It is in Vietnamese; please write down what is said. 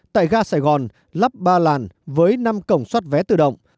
tại gà sài gòn lắp ba làn với năm cổng soát vé tự động